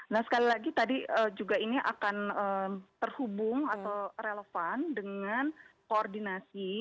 nah sekali lagi tadi juga ini akan terhubung atau relevan dengan koordinasi